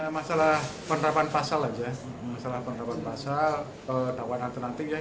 masalah penerapan pasal saja masalah penerapan pasal dakwaan alternatif